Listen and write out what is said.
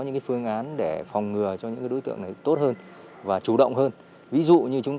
những phương án để phòng ngừa cho những đối tượng này tốt hơn và chủ động hơn ví dụ như chúng